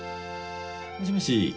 もしもし。